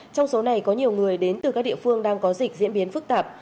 trong số này có nhiều người đến từ các địa phương đang có dịch diễn biến phức tạp